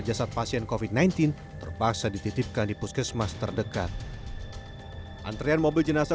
jasad pasien covid sembilan belas terpaksa dititipkan di puskesmas terdekat antrian mobil jenazah